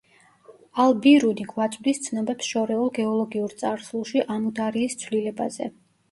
ალ ბირუნი გვაწვდის ცნობებს შორეულ გეოლოგიურ წარსულში ამუდარიის ცვლილებაზე.